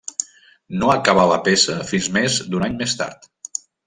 No acabà la peça fins més d'un any més tard.